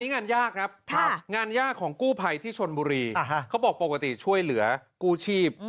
งานยากครับงานยากของกู้ภัยที่ชนบุรีเขาบอกปกติช่วยเหลือกู้ชีพ